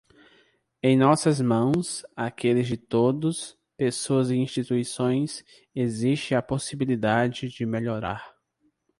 Em nossas mãos, aqueles de todos, pessoas e instituições, existe a possibilidade de melhorar.